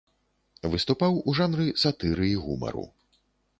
Выступаў у жанры сатыры і гумару.